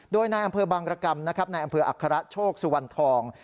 ด้วยนายอำเภอบังกรกรรมนายอำเภออัคระโชคสุวรรณทอง